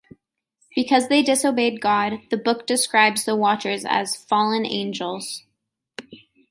Because they disobeyed God, the book describes the Watchers as "fallen angels".